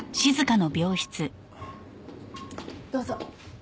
どうぞ。